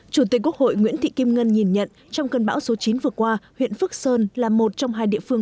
chủ tịch quốc hội nguyễn thị kim ngân nhìn nhận trong cơn bão số chín vừa qua huyện phước sơn là một trong hai địa phương